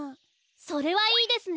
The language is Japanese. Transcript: それはいいですね。